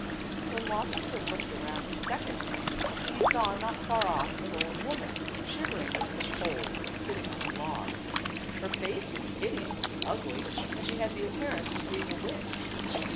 When Wassersein looked around the second time he saw not far off an old woman, shivering with the cold, sitting on a log. Her face was hideously ugly and she had the appearance of being a witch.